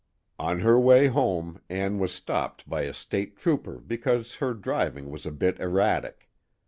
"On her way home, Ann was stopped by a state trooper because her driving was a bit erratic.